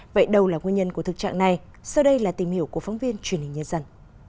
vậy đâu là nguyên nhân của thực trạng này sau đây là tìm hiểu của phóng viên truyền hình nhân dân